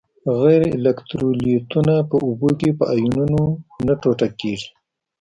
غیر الکترولیتونه په اوبو کې په آیونونو نه ټوټه کیږي.